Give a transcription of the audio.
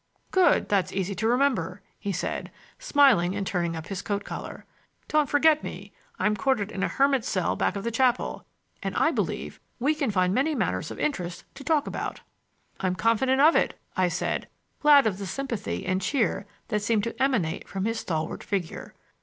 "Good! That's easy to remember," he said, smiling and turning up his coat collar. "Don't forget me; I'm quartered in a hermit's cell back of the chapel, and I believe we can find many matters of interest to talk about." "I'm confident of it," I said, glad of the sympathy and cheer that seemed to emanate from his stalwart figure.